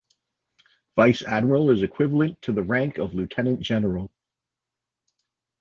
Vice admiral is equivalent to the rank of lieutenant general.